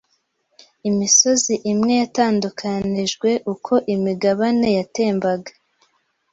imisozi imwe yatandukanijwe uko imigabane yatembaga